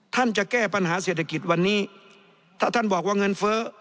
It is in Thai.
ท่านจะแก้ปัญหาเศรษฐกิจวันนี้ถ้าท่านบอกว่าเงินเฟ้อ